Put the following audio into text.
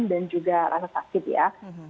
dan juga rasa sakit ya